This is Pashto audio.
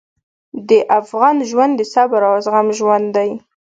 د افغان ژوند د صبر او زغم ژوند دی.